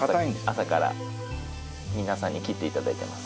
朝から皆さんに切って頂いてます。